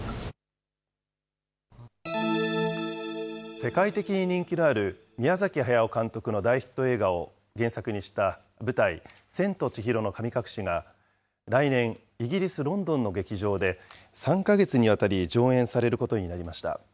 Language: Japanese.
世界的に人気のある宮崎駿監督の大ヒット映画を原作にした舞台、千と千尋の神隠しが来年、イギリス・ロンドンの劇場で３か月にわたり上演されることになりました。